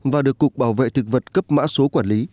và được cục bảo vệ thực vật cấp mã số quản lý